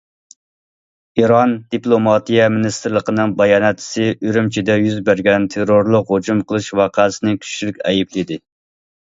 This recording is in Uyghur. ئىران دىپلوماتىيە مىنىستىرلىقىنىڭ باياناتچىسى ئۈرۈمچىدە يۈز بەرگەن تېررورلۇق ھۇجۇم قىلىش ۋەقەسىنى كۈچلۈك ئەيىبلىدى.